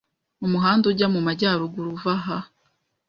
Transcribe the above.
Umuhanda ujya mumajyaruguru uva aha.